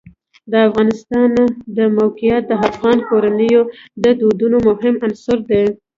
د افغانستان د موقعیت د افغان کورنیو د دودونو مهم عنصر دی.